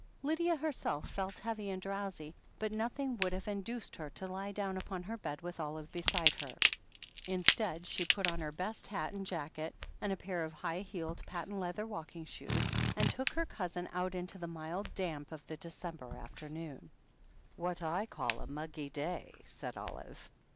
Lydia herself felt heavy and drowsy, but nothing would have induced her to lie down upon her bed with Olive beside her. Instead, she put on her best hat and jacket, and a pair of high heeled, patent leather walk ing shoes, and took her cousin out into the mild damp of the December afternoon. 'What I call a muggy day," said Olive.